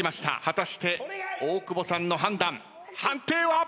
果たして大久保さんの判断判定は？